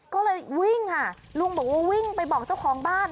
ก็เลยวิ่งค่ะลุงบอกว่าวิ่งไปบอกเจ้าของบ้าน